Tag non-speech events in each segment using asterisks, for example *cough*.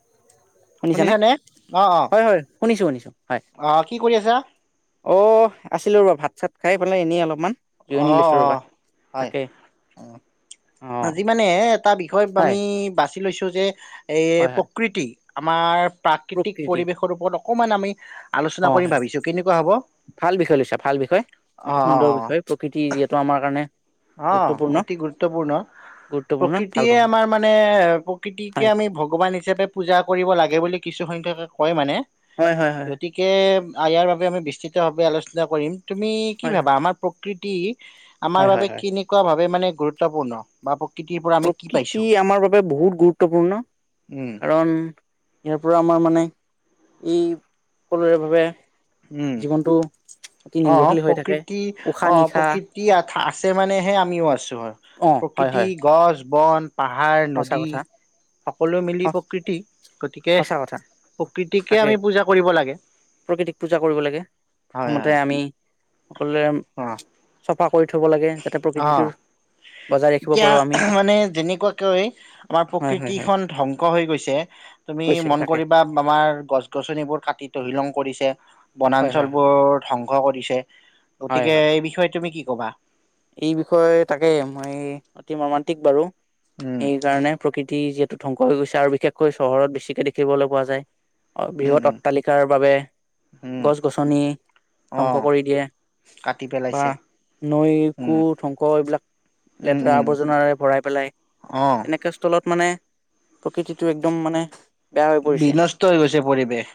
*inaudible* শুনিছানে? শুনিছা নে, অ, অ, শুনিছোঁ শুনিছোঁ হয়। আহ কি কৰি আছা? অ, আছিলোঁ ৰবা ভাত-চাত খাই পালে, এনেই অলপমান অ, জিৰণি লৈছোঁ অ, ৰ'বা হয়। তাকে উম, অ' আজি মানে, এটা বিষয় আমি হয় বাচি লৈছো যে, হয় হয় প্ৰকৃতি আমাৰ প্ৰাকৃতিক প্ৰকৃতি পৰিৱেশ ওপৰত অকণমান আমি আলোচনা অ' কৰিম হয় ভাবিছোঁ, কেনেকুৱা হ'ব? অ, ভাল বিষয় লৈছা ভাল বিষয়। অ, অতি সুন্দৰ অ, বিষয় প্ৰকৃতি যিহেতু আমাৰ কাৰণে অ, গুৰুত্বপূৰ্ণ অতি গুৰুত্বপূৰ্ণ। গুৰুত্বপূৰ্ণ ভাল প্ৰকৃতিয়ে পাওঁ আমাৰ মানে, প্ৰকৃতিকে হয়। আমি ভগৱান হিচাপে পূজা কৰিব লাগে, বুলি কিছুসংখ্যকে কয় মানে। হয়, হয়, হয়। গতিকে ইয়াৰ বাবে আমি বিস্তৃতভাৱে আলোচনা কৰিম, তুমি কি হয় ভাবা আমাৰ প্ৰকৃতি আমাৰ হয় বাবে হয় হয় কেনেকুৱাভাৱে মানে গুৰুত্বপূৰ্ণ বা প্ৰকৃতিৰ পৰা আমি কি পাইছো প্ৰকৃতি আমাৰ বাবে বহুত গুৰুত্বপূৰ্ণ, উম কাৰণ এইবোৰ আমাৰ মানে এই সকলোৰে ভাৱে উম জীৱনটো অতি নিৰ্ভৰশীল হৈ থাকে উশাহ নিশাহ। ই আছে মানেহে আমিও আছোঁ হয়, অ' হয় প্ৰকৃতি হয় গছ, বন- পাহাৰ, সঁচা নদী কথা সকলোৱে মিলি প্ৰকৃতি। গতিকে- সঁচা কথা প্ৰকৃতিকে তাকে আমি পূজা কৰিব লাগে। প্ৰকৃতিক পূজা কৰিব লাগে। হয় প্ৰথমতে হয় আমি সকলোৱে চফা কৰি থব লাগে। যাতে অঁ' প্ৰকৃতিটোৰ বজাই ৰাখিব এতিয়া পাৰো আমি মানে যেনেকুৱা কৈ আমাৰ হয় হয় হয় প্ৰকৃতিখন ধ্বংস হৈ গৈছে। তুমি কৈছে মন তাকে কৰিবা আমাৰ গছ-গছনিবোৰ কাটি তহিলং কৰিছে, হয় হয় হয় বনাঞ্চলবোৰ ধ্বংস কৰিছে, হয় গতিকে হয় এই বিষয়ে তুমি কি ক'বা? এই বিষয়ে তাকে মই অতি মৰ্মান্তিক বাৰু। উম সেই কাৰণে প্ৰকৃতি যিহেতু ধ্বংস হৈ গৈছে আৰু বিশেষকৈ চহৰত বেছিকে দেখিবলৈ পোৱা যায়। উম বৃহৎ উম অট্টালিকাৰ বাবে উম গছ-গছনি অ ধ্বংস কৰি দিয়ে। কাটি বা পেলাইছে নৈ উম কু ধ্বংস এইবিলাক উম লেতেৰা উম আৱৰ্জনাৰে ভৰাই পেলাই। অ এনেকুৱা স্থলত মানে প্ৰকৃতিটো একদম মানে বেয়া হৈ পৰিছে। বিনষ্ট হৈ গৈছে পৰিৱেশ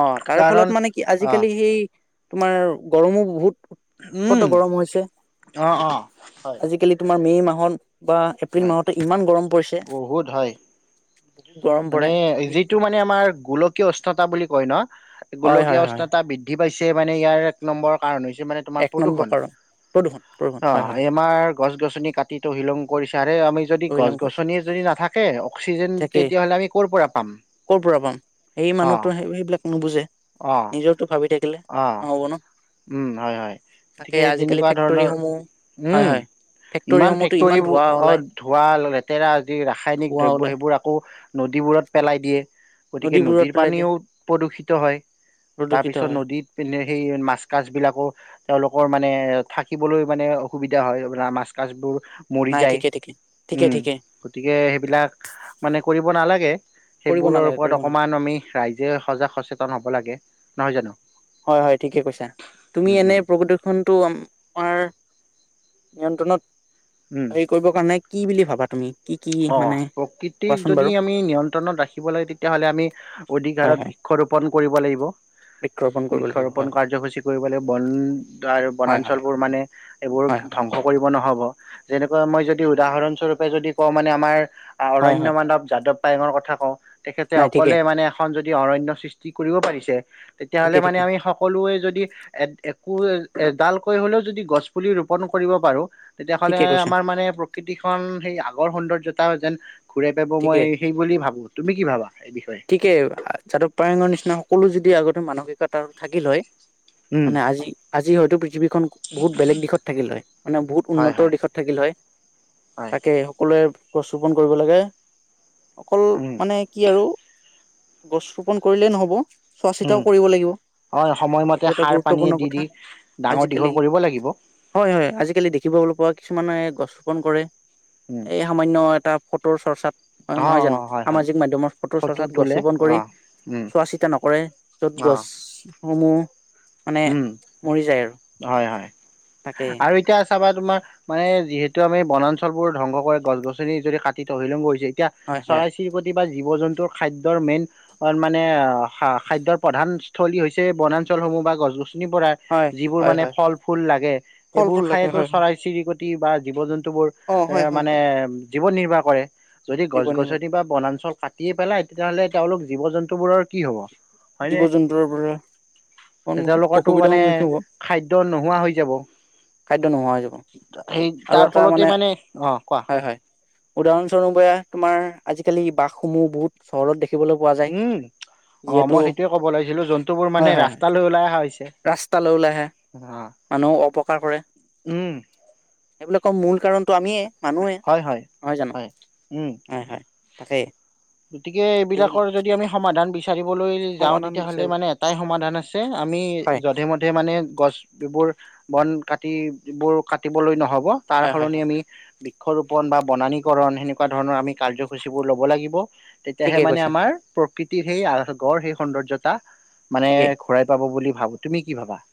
অহ' তাৰ কাৰণ ফলত মানে কি অ আজিকালি সেই- তোমাৰ গৰমো বহুত- উৎকত উমঁ' গৰম হৈছে অঁ' অঁ'। আজিকালি তোমাৰ মে মাহত বা এপ্ৰিল হয় মাহতে ইমান গৰম পৰিছে। বহুত হয় বহুত গৰম মানে পৰে যিটো মানে আমাৰ গোলকীয় উষ্ণতা বুলি কয় ন' হয় গোলকীয় হয় হয় উষ্ণতা বৃদ্ধি পাইছে মানে ইয়াৰ এক নম্বৰৰ কাৰণ হৈছে মানে তোমাৰ এক নম্বৰ প্ৰদূৰষণ কাৰণ প্ৰদূষণ প্ৰদূষণ হয় অঁ' হয় এই আমাৰ গছ-গছনি কাটি তহিলং কৰিছে আৰে আমি যদি অবিলং কৰিছে গছ-গছনিয়ে যদি নাথাকে অক্সিজেন তাকেই তেতিয়াহ'লে আমি পৰা পাম ক'ৰ পৰা পাম সেই অ মানুহটো সেই সেইবিলাক নুবুজে। নিজৰটো ভাবি থাকিলে নহ'ব ন। উমঁ' হয় হয়, তাকে গতিকে আজিকালি তেনেকুৱা ধৰণৰ ফেক্টৰীসমূহ হয় উমঁ'। হয় ইমান ফেক্টৰীসমূহতো ফেক্টৰীবোৰ ধোঁৱা অ ওলাই ধোঁৱা, লেতেৰা যি ৰাসায়নিক ধোঁৱা দ্ৰব্য ওলাই সেইবোৰ আকৌ নদীবোৰত পেলাই দিয়ে। গতিকে নদীবোৰত নদীৰ পেলাই দিয়ে পানীও প্ৰদূষিত হয় প্ৰদূষিত তাৰপিছত হয় নদীত সেই মাছ মা কাছবিলাকো তেওঁলোকৰ মানে থাকিবলৈ মানে অসুবিধা হয় মাছ কাছবোৰ মৰি নাই যায়। ঠিকে ঠিকে ঠিকে উমঁ' ঠিকে গতিকে সেইবিলাক মানে কৰিব নালাগে। কৰিব সেইবোৰৰ নালাগে ওপৰত কৰিব নালাগে অকণমান আমি ৰাইজে সজাগ সচেতন হ'ব লাগে। নহয় জানো? হয়-হয় ঠিকে কৈছা। তুমি উম এনে উম প্ৰকৃতি খনটো আমাৰ নিয়ন্ত্ৰণত- উম। হেৰি কৰিবৰ কাৰণে কি বুলি ভাবা তুমি? কি কি মানে অঁ' প্ৰকৃতিক কোৱাচোন বাৰু যদি আমি নিয়ন্ত্ৰণত ৰাখিব লাগে তেতিয়াহ'লে আমি অধিক হয় হয় হাৰত ক্ষ ৰোপণ কৰিব লাগিব। বৃক্ষৰোপণ কৰিব লাগিব হয় বৃক্ষৰোপণ কাৰ্যসূচী কৰিব লাগিব, বন *inaudible* হয় হয় হয় বনাঞ্চলবোৰ মানে এইবোৰ হয় হয় ধ্বংস কৰিব ন'হব যেনেকুৱা মই যদি উদাহৰণস্বৰূপে যদি কওঁ মানে আমাৰ হয় অৰণ্য হয় মানৱ যাদৱ পায়েঙৰ কথা কওঁ তেখেতে নাই ঠিকে অকলে মানে যদি অৰণ্য সৃষ্টি কৰিব পাৰিছে তেতিয়া ঠিকে হলে মানে ঠিকে আমি সকলোৱে যদি এ-এ একো এডালকৈ হলেও যদি গছ পুলি ৰোপন কৰিব পাৰোঁ- তেতিয়াহ'লে ঠিকে কৈছা আমাৰ মানে প্ৰকৃতিখন, সেই আগৰ সৌন্দৰ্যতা যেন ঘূৰাই পাব ঠিকে মই সেই বুলি ভাবো তুমি কি ভাবা? এই বিষয়ে। তাকে যাদৱ প্ৰায়ংগৰ নিচিনা সকলো যদি আগতে মানসিকতা থাকিল হয়। উম মানে আজি- আজি হয়তো পৃথিৱীখন বহুত বেলেগ দিশত থাকিল হয়। মানে বহুত হয় উন্নতৰ হয় দিশত থাকিল হয়। হয় তাকে সকলোৱে গছ ৰোপন কৰিব লাগে। অকল উম মানে কি আৰু গছ ৰোপন কৰিলেই নহব। চোৱা উম চিতাও কৰিব লাগিব, হয় এইটো এটা গুৰুত্বপূৰ্ণ কথা। আজিকালি ডাঙৰ-দীঘল কৰিব লাগিব। হয়', হয়', আজিকালি দেখিবলৈ পোৱা কিছুমানে গছ ৰোপন কৰে, উম এয়া সামান্য এটা ফটোৰ চৰ্চাত, অ নহয় অ জানো হয় হয় সামাজিক মাধ্যয়মৰ ফটো ফটো চৰ্চাত গছ তোলে ৰোপন অ কৰি। উম চোৱা চিতা নকৰে য'ত অ গছসমূহ মানে উম', মৰি যায় আৰু হয়', হয়', তাকে আৰু এতিয়া চাবা তোমাৰ মানে যিহেতু আমি বনাঞ্চল বোৰ ধ্বংস কৰি গছ-গছনি যদি কাটি তহিলুং কৰিছে। এতিয়া হয় হয় চৰাই চিৰিকতি জীৱ জন্তুৰ খাদ্যৰ মেইন অ' মানে খাদ্যৰ প্ৰধান স্থলী হৈছে বনাঞ্চলসমূহ বা গছ গছনি পৰা হয় যিবোৰ হয় মানে হয় ফল ফুল লাগে, ফল সেইবোৰ ফুল লাগে খাইতো হয় হয় চৰাই চিৰিকটি বা জীৱ-জন্তু বোৰ অ হয় হয় মানে হয় জীৱন নিৰ্বাহ কৰে। যদি জীৱ নিৰ্ভৰ গছ-গছনি বা বনাঞ্চল কাটিয়েই পেলাই, তেতিয়াহ'লে তেওঁলোক জীৱ-জন্তুবোৰৰ কি হ'ব? হয়নে জীৱ-জন্তুৰ পৰা। সন্মুখীন তেওঁলোকৰতো অসুবিধাৰ মানে সন্মুখীন হ'ব খাদ্য নোহোৱা হৈ যাব। খাদ্য নোহোৱা হৈ যাব সেই আৰু তাৰ এটা ফলতে মানে, অ' কোৱা? হয় হয় উদাহৰণস্বৰূপে, তোমাৰ আজিকালি বাঘসমূহ বহুত উচৰত দেখিবলৈ পোৱা যায়। উম অ', যিহেতু মই সেইোৱে ক'ব ওলাইছিলোঁ, জন্তু বোৰ হয় মানে হয় হয় ৰাস্তালৈ ওলাই অহা হৈছে। ৰাস্তালৈ ওলাই আহে, অ মানুহ অপকাৰ কৰে। উম',। এইবিলাকৰ মূল কাৰণটো আমিয়ে, মানুহে হয় হয় নহয় জানো? হয় উম। হয়', হয়',। তাকে। গতিকে এইবিলাক এইবিলাকৰ যদি আমি সমাধান বিচ চাৰিবলৈ যাওঁ সমাধান তেতিয়াহ'লে বিচাৰিব মানে এটাই সমাধান আছে, আমি হয় যধে-মধে মানে গছ এইবোৰ বন কাটি বোৰ কাটিবলৈ নহব, তাৰ হয় হয় সলনি হয় আমি বৃক্ষৰোপণ বা বনানীকৰণ সেনেকুৱা ধৰণৰ আমি কাৰ্যসূচীবোৰ ল'ব লাগিব। তেতিয়াহে ঠিকেই মানে কৈছা আমাৰ প্ৰকৃতিৰ সেই গৰ সেই সৌন্দৰ্যতা মানে ঠিকেই ঘূৰাই পাব বুলি ভাবোঁ, তুমি কি ভাবা?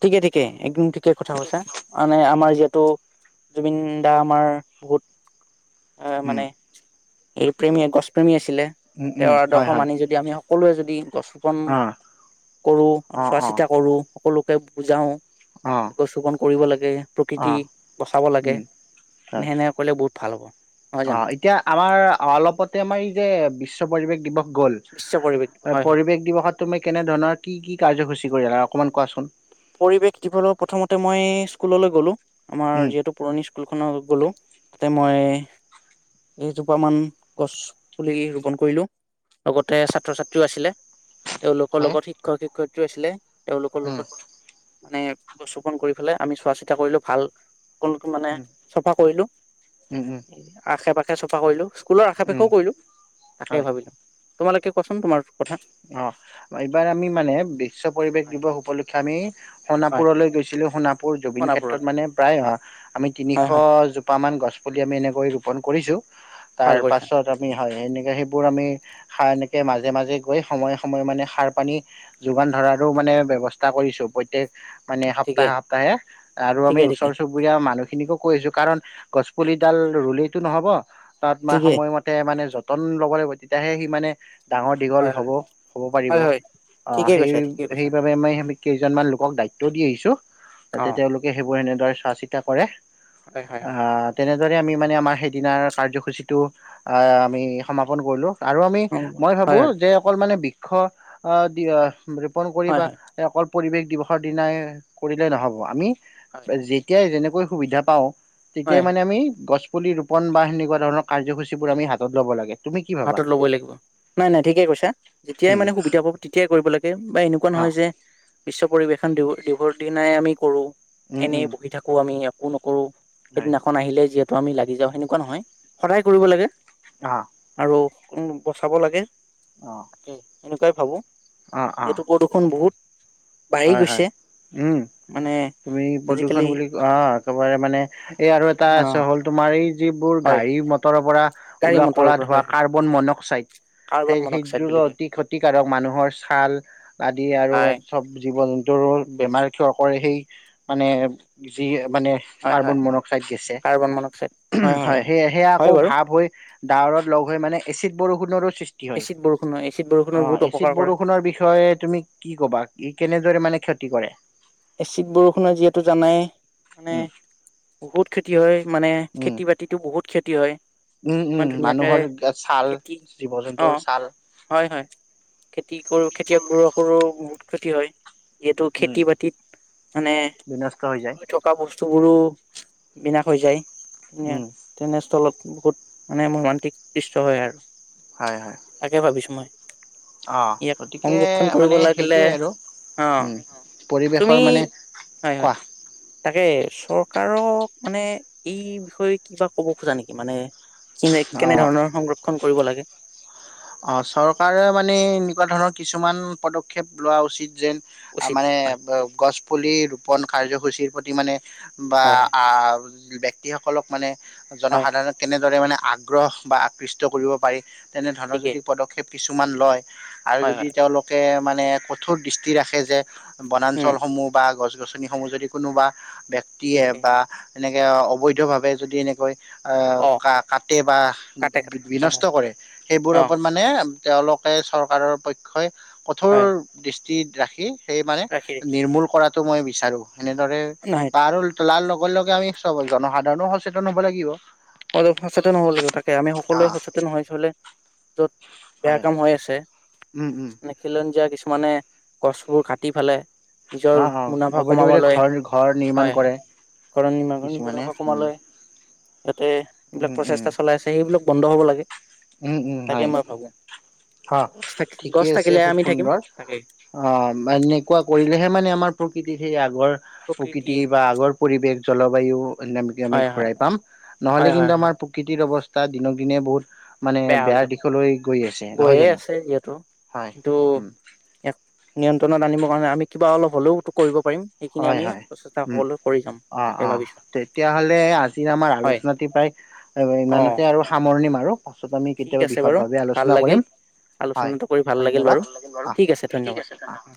ঠিকে ঠিকে একদম ঠিকে কথা কৈছা, মানে আমাৰ যিহেতু জুবিন দা আমাৰ বহুত অ', উম মানে এই প্ৰেমী গছ প্ৰেমী আছিলে। উম উম তেওঁৰ হয় আদৰ্শ হয় মানি যদি আমি সকলোৱে যদি গছ ৰুপন অ কৰো অ চোৱা অ চিতা কৰো সকলোকে বুজাওঁ অ',। গছ ৰোপন কৰিব লাগে, অ প্ৰকৃতি বচাব লাগে উম হয় সেনেকে কৰিলে বহুত ভাল হ'ব। নহয় জানো অ', এতিয়া আমাৰ অলপতে আমাৰ এই যে বিশ্ব পৰিৱেশ দিৱস গ'ল। নিশ্চয় পৰিৱেশ হয় হয় পৰিবেশ দিৱসত তুমি কেনে ধৰণৰ কি কি কাৰ্যসূচী কৰিলা অকমান কোৱাচোন? পৰিৱেশ কিফলত প্ৰথমতে মই স্কুললৈ গ'লো, আমাৰ উম যিহেতু পুৰণি স্কুলখনত গ'লো, তাতে মই কেইজোপা মান গছ পুলি ৰোপন কৰিলো। লগতে ছাত্ৰ ছাত্ৰীও আছিলে, তেওঁলোকৰ হয় লগত শিক্ষক-শিক্ষয়িত্ৰীও আছিলে, তেওঁলোকৰ উম লগত মানে গছ ৰুপন কৰি পেলাই আমি চোৱা চিতা কৰিলো ভাল সকলো মানে উম চফা কৰিলো উম আশে পাশে চফা কৰিলো। স্কুলৰ আশা উম পাখেও কৰিলো তাকে হয় ভাবিলো তোমালোকে কোৱাচোন তোমাৰ কথা। অ এইবাৰ আমি মানে বিশ্ব পৰিৱেশ হয় দিৱস উপলক্ষ ক্ষে আমি হয় সোণাপুৰলৈ গৈছিলো সোণাপুৰ জুবিন ক্ষেত্ৰত মনাপুৰলৈ মানে প্ৰায় আমি হয় হয় তিনিশজোপামান গছপুলি আমি এনেকৈ ৰোপণ কৰিছো। ভাল কৰিছা তাৰপাছত আমি হয় এনেকৈ সেইবোৰ আমি সা এনেকৈ মাজে মাজে গৈ সময়ে সময়ে মানে সাৰ পানী যোগান ধৰাৰো মানে ব্যৱস্থা কৰিছো প্ৰত্যেক মানে ঠিকে সপ্তাহে সপ্তাহে আৰু আমি ঠিকে ঠিকে ওচৰ চুুব বুৰীয়া মানুহখিনিকো কৈ আছো। কাৰণ গছপুলিডাল ৰুলেইতো নহ'ব তাত মানে ঠিকে সময়মত মতে মানে যতন ল'ব লাগিব তেতিয়াহে সি মানে ডাঙৰ দী হয় হয় হ'ব, হ'ব পাৰিব হয় হয় অ ঠিকেই সেই কৈছা ঠিকেই কৈছা সেইবাবে মই সেমি কেইজনমান লোকক দায়িত্ব দি আহিছো অ তাতে তেওঁলোকে সেইবোৰ এনেদৰে চোৱা চিত তা কৰে হয় হয় আ হয় তেনেদৰে আমি মানে আমাৰ সেইদিনাৰ কাৰ্যসূচীটো আ আমি সমাপন কৰিলো। আৰু আমি অ মই ভাবো হয় হয় যে অকল মানে বৃক্ষ অ, দি ৰোপন কৰি হয় বা হয় অকল পৰিৱেশ দিৱসৰ দিনাই কৰিলেই নহ'ব আমি হয় যে তিয়াই যেনেকৈ সুবিধা পাওঁ তেতিয়াই হয় মানে আমি গছ পুলি ৰোপণ বা সেনেকুৱা ধৰণৰ কাৰ্যসূচীবোৰ আমি হাতত ল'ব লাগে। তুমি কি ভাবা হাতত ল'বই লাগিব, নাই নাই ঠিকে কৈছা। যেতিয়াই উম মানে সুবিধা পাব তেতিয়াই কৰিব লাগে বা এনেকুৱা অ নহয় যে বিশ্ব পৰিবেশন দিব দিবৰ দিনাই আমি কৰো উম এনেই উম বহি থাক একো আমি একো নকৰো হয় সেইদিনাখন আহিলে যিহেতু আমি লাগি যাওঁ সেনেকুৱা নহয় সদায় কৰিব লাগে। আ। আৰু উম, বচাব লাগে। অ। তে এনেকুৱাই ভাবো অ অ এইটো প্ৰদূৰষণ বহুত বাঢ়ি হয় হয় গৈছে উম। মানে তুমি প্ৰদূষণ আজিকালি বুলি ক অ একেবাৰে মানে এই আৰু এটা অ আছে হ'ল তোমাৰ এই যিবোৰ হয় গাড়ী মটৰৰ পৰা গাড়ী ওলা মটৰৰ কলা পৰা হয় ধোৱা হয় কাৰ্বন মনক্সাইড কাৰ্বন সেই মনক্সাইড হৃদৰোগ বুলি কয় অতি ক্ষতিকাৰক মানুহৰ ছাল আদি আৰু হয় জীৱ-জন্তুৰো বেমাৰ ক্ষয় কৰে সেই মানে যি মানে হয় কাৰ্বন হয় মনক্সাইড গেছে কাৰ্বন মনক্সাইড। হয় সে সেয়া আকৌ হয় বাৰু। ভাৱ হৈ ডাৱৰত লগ হৈ মানে এচিড বৰষুণৰো সৃষ্ট কি হয় এচিড বৰষুণ হয় এচিড অ বৰষুণৰ বহুত এচিড অপকাৰ কৰে। বৰষুণৰ বিষয়ে তুমি কি ক'বা, ই কেনেদৰে মানে ক্ষতি কৰে? এচিড বৰষুণৰ যিহেতু জানাই মানে উম বহুত খেতি হয় মানে উম খেতি-বাত তিটো বহুত ক্ষতি হয়। উম ইমান উম ধুনীয়াকে মানুহৰ ছাল, খেতি জীৱ অ জন্তুৰ ছাল। হয় হয়, খেতি কৰো খেতিয়কবোৰ সৰু বহুত খেতি হয়। ইয়েটো উম, খেতি বাতিত মানে বিনষ্ট হৈ যায়। ৰই থকা বস্তুবোৰো বিনাশ হৈ যায় এনে উম, তেনেস্থলত বহুত মানে মৰ্মান্তিক *unintelligible* হয় আৰু হয় হয় তাকে ভাবিছো মই অ', ইয়াক গতিকে সংৰক্ষণ মানে কৰিব লাগিলে সেইটোৱে আৰু অ উম। তুমি পৰিৱেশৰ মানে হয় হয় কোৱা তাকে চৰকাৰক মানে এই বিষয়ে কিবা ক'ব খোজা নেকি মানে কেনে কেনে অ'। ধৰণৰ সংৰক্ষন কৰিব লাগে অ চৰকাৰে মানে এনেকুৱা ধৰণৰ কিছুমান পদক্ষেপ লোৱা উচিত যেন উচিত মানে হয় গছ পুলি ৰোপন কাৰ্যসূচীৰ প্ৰতি মানে বা হয় হয় আহ ব্যক্তিসকলক মানে হয় জনসাধাৰণ কেনেদৰে মানে আগ আগ্ৰহ বা আকৃষ্ট কৰিব পাৰি তেনেধৰণৰ ঠিকেই যদি পদক্ষেপ কিছুমান লয় আৰু হয় যদি হয় তেওঁলোক কে মানে কোঠোৰ দৃষ্ট ৰাখে যে‌ উম বনাঞ্চলসমূহ বা গছ গছনি সমূহ যদি কোনোবা ব্যক্তিয়ে ঠিকেই বা এনেকে অবৈধভাৱে যদি এনেকৈ আহ অ কা কাটে বা কাটে কাটে হয় বিনষ্ট হয় কৰে সেইবোৰৰ অ ওপৰত মানে তেওঁলোকে চৰকাৰৰ পক্ষই কঠোৰ হয় দৃষ্টি ৰাখি সেই মানে ৰাখি ৰাখি নিৰ্মূল কৰাটো মই বিচাৰোঁ এনেদৰে নাই বা আৰু লাল লগে লগে আমি চব জনসাধাৰণও সচেতন হ'ব লাগিব অলপ সচেতন হ'ব লাগিব তাকে আমি সকলোৱে অ' সচেতন হৈ চলে য'ত বেয়া হয় কাম হৈ আছে উম উম নে খিলঞ্জিয়া কিছুমানে গছবোৰ কাটি ফালে নিজৰ অ অ মুনাফা অবৈধ অবৈধ কমাবলৈ ঘৰ ঘৰ নিৰ্মাণ হয় হয় কৰে কৰণী *unintelligible* কিছুমানে মুনাফা উম কমাবলৈ ইহঁতে এইবিলাক উম উম প্ৰচেষ্টা চলাই আছে সেইবিলাক বন্ধ হ'ব লাগে উম উম তাকে হয় মই ভাবো হয় গছ থাকি গছ ঠিকেই আছে থাকিলে খুব আমি থাকিম সুন্দৰ তাকেই অ এনেকুৱা কৰিলেহে মানে আমাৰ প্ৰকৃতিত সেই আগৰ প্ৰকৃতি বা আগৰ পৰিৱেশ জলবায়ু অন্যমিকা আমি হয় হয় ঘূৰাই পাম নহলে হয় কিন্তু হয় আমাৰ হয় প্ৰকৃতিৰ অৱস্থা দিনক দিনে বহুত মানে বেয়াৰ দিশলৈ গৈ আছে নহয় কৈয়ে জানো? আছে যিহেতু হয়, কিন্তু উম, ইয়াক নিয়ন্ত্ৰণত আনিবৰ কাৰণে আমি কিবা অলপ হ'লেও টো কৰিব পাৰিম সেইখিনি হয় আমি হয় প্ৰচেষ্টা উম সকলোৱে কৰি যাম অ তাকে অ ভাবিছো তেতিয়াহলে আজি আমাৰ হয় আলোচনাতি প্ৰায় সেইবাবে অ ইমানতে আৰু সামৰণি মাৰোঁ পাছত আমি ঠিক কেতিয়াবা আছে বিষয় বাৰু ভাৱে ভাল আলোচনা লাগিল কৰিম হয় আলোচনাটো কৰি ভাল লাগিল ধন্যবাদ বাৰু আছে ঠিক ধন্যবাদ অ আছে